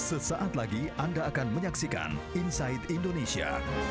sesaat lagi anda akan menyaksikan inside indonesia